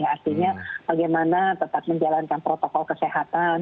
artinya bagaimana tetap menjalankan protokol kesehatan